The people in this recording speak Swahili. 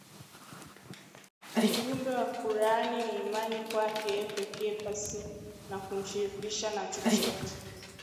ujumbe wa Qur’an ni imani kwake Yeye pekee pasi na kumshirikisha na chochote